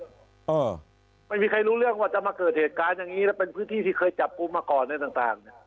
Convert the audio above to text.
มันคือไม่มีใครรู้เรื่องว่าจะมาเกิดเหตุการณ์อย่างนี้และเป็นพืชที่ที่เคยจับปุมาก่อนในต่าง